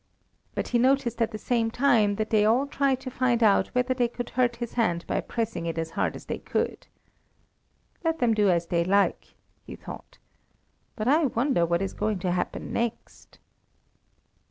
But he noticed at the same time that they all tried to find out whether they could hurt his hand by pressing it as hard as they could. "Let them do as they like," he thought; "but I wonder what is going to happen next."